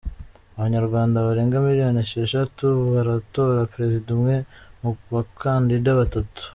Abanyarwanda barenga miliyoni esheshatu baratora perezida umwe mu bakandida batatu.